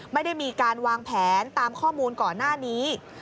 ไม่ได้มีการวางแผนตามข้อมูลก่อนหน้านี้